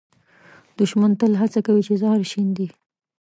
دښمن تل هڅه کوي چې زهر شیندي